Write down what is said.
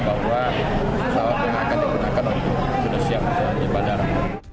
bahwa pesawat yang akan digunakan sudah siap ke pandara